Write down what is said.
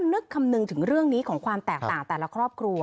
นึกคำนึงถึงเรื่องนี้ของความแตกต่างแต่ละครอบครัว